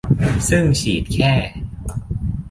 ซึ่งฉีดแค่